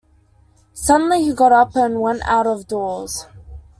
Suddenly he got up and went out of doors.